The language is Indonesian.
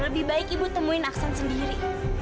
lebih baik ibu temuin aksan sendiri